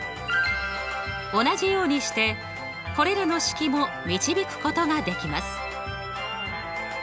同じようにしてこれらの式も導くことができます。